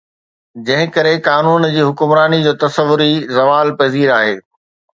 جنهن ڪري قانون جي حڪمراني جو تصور ئي زوال پذير آهي